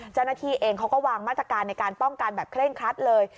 เจ้าหน้าที่เองเขาก็วางมาตรการในการป้องกันแบบเคร่งครัดเลย